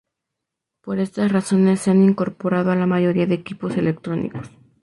Por estas razones se han incorporado a la mayoría de equipos electrónicos.